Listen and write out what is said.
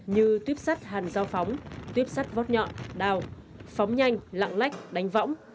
như tuyếp sắt hàn giao phóng tuyếp sắt vót nhọn đào phóng nhanh lạng lách đánh võng